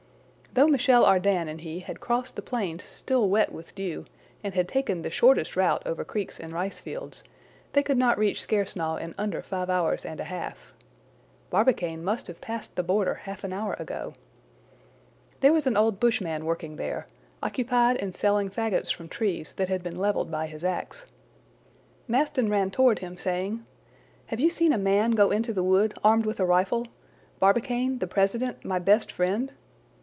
Though Michel Ardan and he had crossed the plains still wet with dew, and had taken the shortest route over creeks and ricefields, they could not reach Skersnaw in under five hours and a half. Barbicane must have passed the border half an hour ago. There was an old bushman working there, occupied in selling fagots from trees that had been leveled by his axe. Maston ran toward him, saying, "Have you seen a man go into the wood, armed with a rifle? Barbicane, the president, my best friend?"